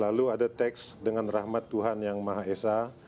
lalu ada teks dengan rahmat tuhan yang maha esa